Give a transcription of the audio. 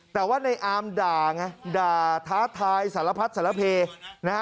แต่ว่าในอามด่าด่าท้าทายสารพัฒน์สารเผย